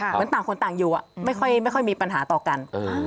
เหมือนต่างคนต่างอยู่ไม่ค่อยมีปัญหาต่อกัน